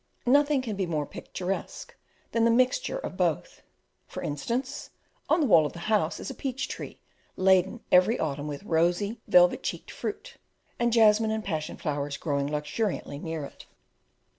Nothing can be more picturesque than the mixture of both. For instance, on the wall of the house is a peach tree laden every autumn with rosy, velvet cheeked fruit; and jasmine and passion flowers growing luxuriantly near it.